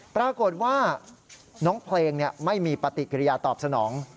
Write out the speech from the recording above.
ปรากฏว่าน้องเพลงไม่มีปฏิกิริยาตอบสนอง